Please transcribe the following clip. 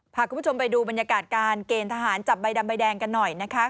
พาคุณผู้ชมไปดูบรรยากาศการเกณฑ์ทหารจับใบดำใบแดงกันหน่อยนะคะ